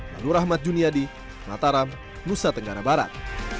manurahmat juniadi mataram nusa tenggara barat